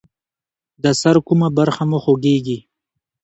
د سر کومه برخه مو خوږیږي؟